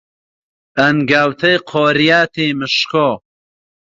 ئەنگاوتەی قۆریاتی مشکۆ،